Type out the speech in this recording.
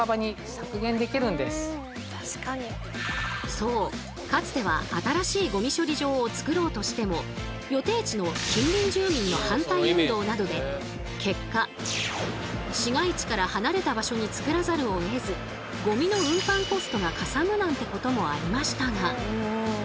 そうかつては新しいゴミ処理場をつくろうとしても予定地の近隣住民の反対運動などで結果市街地から離れた場所につくらざるをえずゴミの運搬コストがかさむなんてこともありましたが。